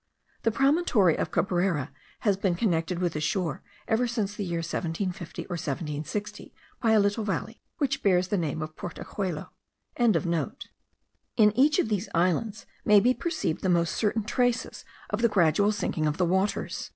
The promontory of Cabrera has been connected with the shore ever since the year 1750 or 1760 by a little valley, which bears the name of Portachuelo.) In each of these islands may be perceived the most certain traces of the gradual sinking of the waters.